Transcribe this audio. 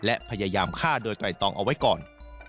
และพยายามฆ่าโดยไตรตองเอาไว้ก่อน